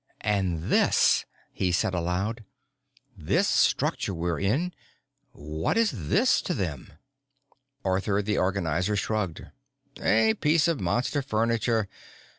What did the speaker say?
"And this," he said aloud. "This structure we're in. What is this to them?" Arthur the Organizer shrugged. "A piece of Monster furniture.